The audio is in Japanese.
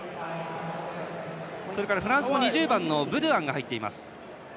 フランスも２０番のブドゥアンが入っています。